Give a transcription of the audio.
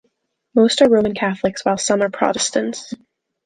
Most are Roman Catholics, while some are Protestants.